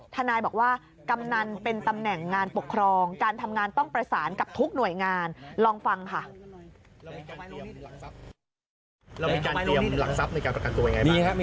ทนายบอกว่ากำนันเป็นตำแหน่งงานปกครองการทำงานต้องประสานกับทุกหน่วยงานลองฟังค่ะ